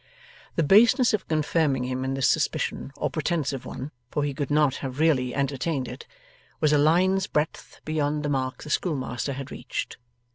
The baseness of confirming him in this suspicion or pretence of one (for he could not have really entertained it), was a line's breadth beyond the mark the schoolmaster had reached.